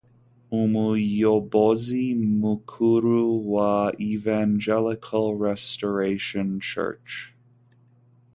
umuyobozi mukuru wa Evangelical Restoration Church